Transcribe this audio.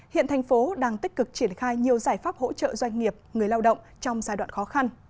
hiện thành phố đang tích cực triển khai nhiều giải pháp hỗ trợ doanh nghiệp người lao động trong giai đoạn khó khăn